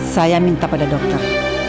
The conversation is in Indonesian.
saya minta pada dokter